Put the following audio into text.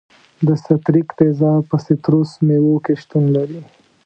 د ستریک تیزاب په سیتروس میوو کې شتون لري.